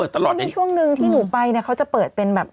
ตอนนี้ช่วงนึงที่หนูไปเนี่ยเขาจะเปิดเป็นแบบ